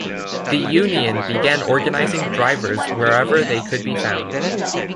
The union began organizing drivers wherever they could be found.